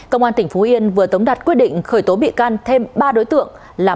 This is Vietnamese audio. cơ quan tp yên vừa tống đặt quyết định khởi tố bị can thêm ba đối tượng là